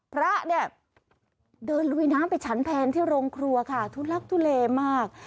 พระเนี่ยเดินลุยน้ำไปฉันแพนที่โรงครัวค่ะทุลักทุเลมาก